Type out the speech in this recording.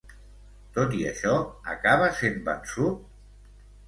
Tot i això, acaba sent vençut?